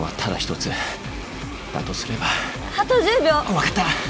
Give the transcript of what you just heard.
わかった。